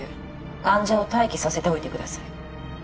患者を待機させておいてください